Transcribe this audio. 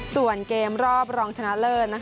ส่วนเกมรอบรองชนะเลิศ